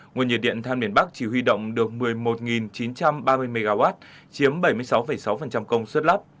nguồn nhiệt điện than miền bắc chỉ huy động được một mươi một chín trăm ba mươi mw chiếm bảy mươi sáu sáu công suất lắp